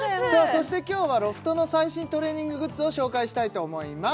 そして今日はロフトの最新トレーニンググッズを紹介したいと思います